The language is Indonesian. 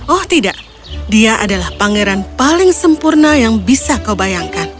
oh tidak dia adalah pangeran paling sempurna yang bisa kau bayangkan